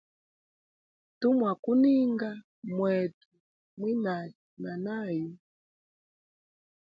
Tumwa kuninga mwetu mwinage na nayu.